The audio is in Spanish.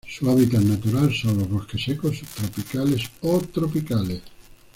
Su hábitat natural son los bosques secos subtropicales o tropicales.